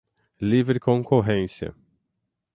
livre concorrência